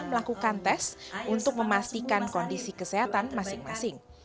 melakukan tes untuk memastikan kondisi kesehatan masing masing